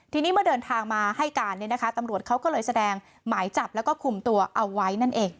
ที่นี้เมื่อเดินทางมาให้การตำรวจเขาก็แสดงหมายจับและขุมตัวเอาไว้